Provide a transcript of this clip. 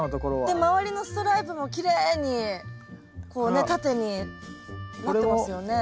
で周りのストライプもきれいにこうね縦になってますよね。